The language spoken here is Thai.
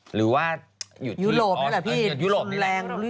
หรือว่าอยู่ที่ออสเตรียยุโรปนี่แหละพี่